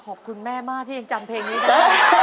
ขอบคุณแม่มากที่ยังจำเพลงนี้นะ